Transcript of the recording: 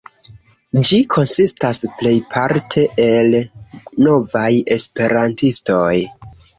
Ĝi konsistas plejparte el novaj esperantistoj.